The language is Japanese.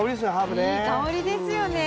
いい香りですよね。